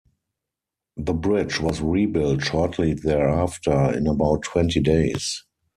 The bridge was rebuilt shortly thereafter, in about twenty days.